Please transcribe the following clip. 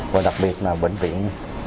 và đặc biệt là bệnh viện